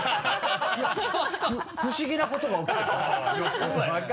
不思議なことが起きてる。